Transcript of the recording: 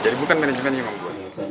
jadi bukan manajemen yang membuat